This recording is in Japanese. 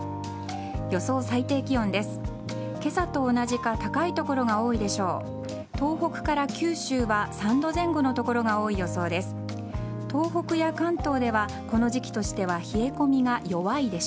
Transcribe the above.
予想最低気温です。